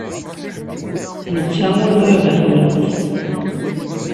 Netta ur d baba-twent.